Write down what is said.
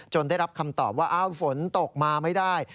ได้รับคำตอบว่าฝนตกมาไม่ได้